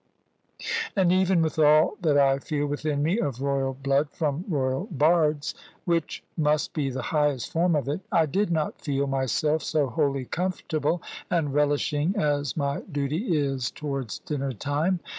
And even with all that I feel within me of royal blood from royal bards which must be the highest form of it I did not feel myself so wholly comfortable and relishing as my duty is towards dinner time.